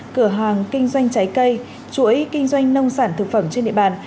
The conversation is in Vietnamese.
cửa hàng kinh doanh trái cây chuỗi kinh doanh nông sản thực phẩm trên địa bàn